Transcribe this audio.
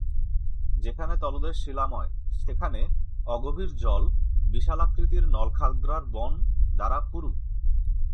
যেখানে তলদেশ শিলাময়, সেখানে অগভীর জল বিশালাকৃতির নলখাগড়ার বন দ্বারা পুরু।